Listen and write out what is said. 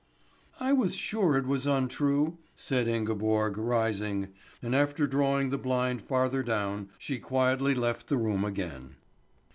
"I was sure it was untrue," said Ingeborg, rising; and after drawing the blind farther down, she quietly left the room again.